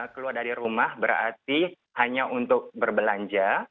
keluar dari rumah berarti hanya untuk berbelanja